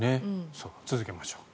続けましょう。